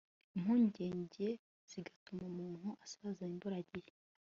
impungenge zigatuma umuntu asaza imburagihe